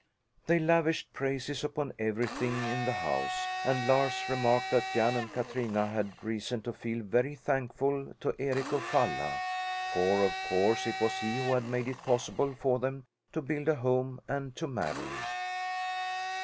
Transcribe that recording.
They lavished praises upon everything in the house and Lars remarked that Jan and Katrina had reason to feel very thankful to Eric of Falla; for of course it was he who had made it possible for them to build a home and to marry.